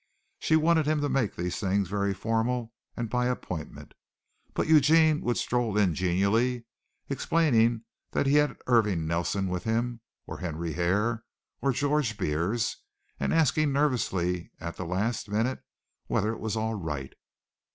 She wanted him to make these things very formal and by appointment, but Eugene would stroll in genially, explaining that he had Irving Nelson with him, or Henry Hare, or George Beers, and asking nervously at the last minute whether it was all right.